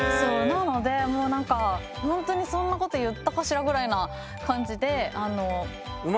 なのでほんとにそんなこと言ったかしらぐらいな感じで。